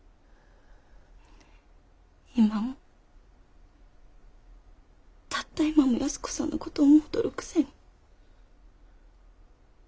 今もたった今も安子さんのことを思うとるくせに。